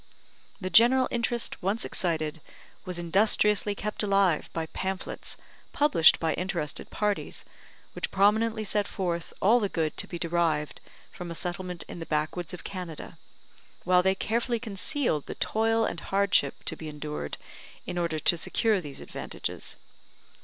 The general interest, once excited, was industriously kept alive by pamphlets, published by interested parties, which prominently set forth all the good to be derived from a settlement in the Backwoods of Canada; while they carefully concealed the toil and hardship to be endured in order to secure these advantages.